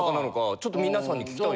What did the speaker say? ちょっと皆さんに聞きたい。